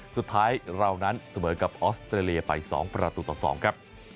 สุดท้ายเรานั้นเสมอกับออสเตรเลียไป๒ประตูต่อ๒ครับ